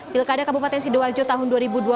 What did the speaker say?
pilkada kabupaten sidoarjo tahun dua ribu dua puluh